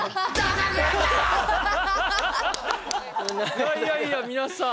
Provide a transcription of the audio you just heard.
いやいやいや皆さん。